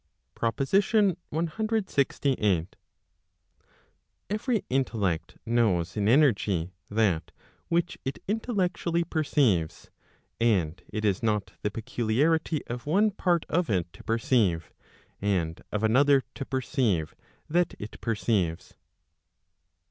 PROPOSITION CLXVIII. Every intellect knows in energy that which it intellectually perceives, and it is not the peculiarity of one part of it to perceive, and of another to perceive that it perceives.